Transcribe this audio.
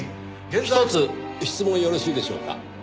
ひとつ質問よろしいでしょうか？